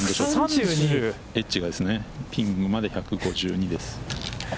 エッジがですね、ピンまで１５２です。